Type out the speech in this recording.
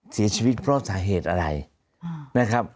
เสียชีวิตเพราะสาเหตุอะไรนะครับ